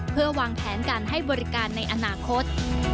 เพื่อวางแผนการให้บริการในอนาคต